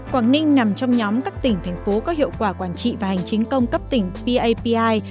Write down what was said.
quảng ninh nằm trong nhóm các tỉnh thành phố có hiệu quả quản trị và hành chính công cấp tỉnh papi